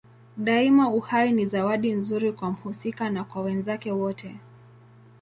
Daima uhai ni zawadi nzuri kwa mhusika na kwa wenzake wote.